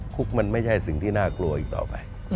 คุกมันไม่ใช่สิ่งที่น่ากลัวอีกต่อไป